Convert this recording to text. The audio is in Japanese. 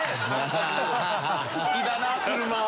好きだな車は。